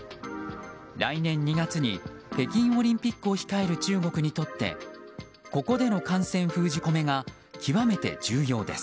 来年２月に北京オリンピックを控える中国にとってここでの感染封じ込めが極めて重要です。